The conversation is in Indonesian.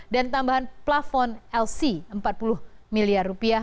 dan tambahan plafon lc empat puluh miliar rupiah